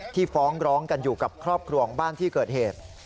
ฟ้องร้องกันอยู่กับครอบครัวของบ้านที่เกิดเหตุ